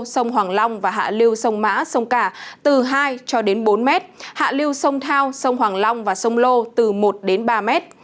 sông hoàng long và hạ lưu sông mã sông cả từ hai cho đến bốn mét hạ lưu sông thao sông hoàng long và sông lô từ một đến ba mét